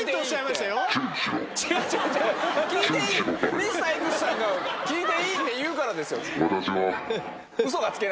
ミスターＸさんが聞いていいって言うからですよ。